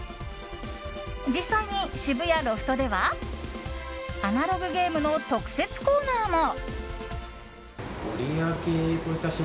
実際に渋谷ロフトではアナログゲームの特設コーナーも。